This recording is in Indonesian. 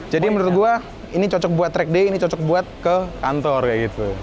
jadi menurut gue ini cocok buat track day ini cocok buat ke kantor kayak gitu